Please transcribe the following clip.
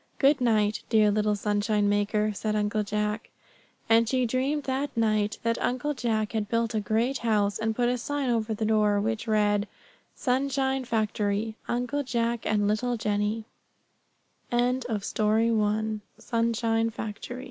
"Good night, dear little sunshine maker;" said Uncle Jack. And she dreamed that night that Uncle Jack had built a great house, and put a sign over the door, which read: SUNSHINE FACTORY, Uncle Jack and little Jennie: [Ill